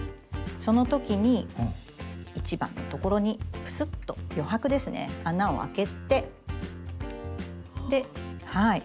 その時に１番のところにプスッと余白ですね穴を開けてではい。